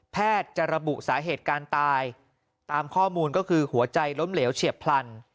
แพทย์จะระบุสาเหตุการตายตามข้อมูลก็คือหัวใจล้มเหลวเฉียบพลัน